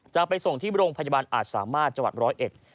จะไปส่งที่โรงพยาบาลอาจสามารถจังหวัดร้อยเอ็ด